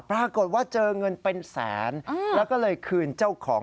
ปรากฏว่าเจอเงินเป็นแสนแล้วก็เลยคืนเจ้าของ